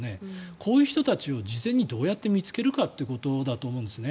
こういう人たちを事前にどうやって見つけるかということだと思うんです。